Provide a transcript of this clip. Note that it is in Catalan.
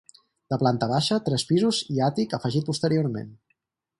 De planta baixa, tres pisos i àtic afegit posteriorment.